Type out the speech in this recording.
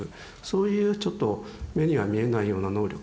そういうちょっと目には見えないような能力ですね。